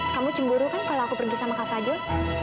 kamu cemburu kan kalau aku pergi sama kak fadul